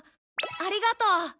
ありがとう。